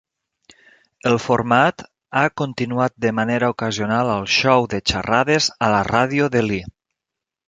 El format ha continuat de manera ocasional al show de xerrades a la ràdio de Lee.